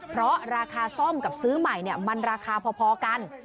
เพราะราคาซ่อมกับซื้อใหม่มันราคาพอกัน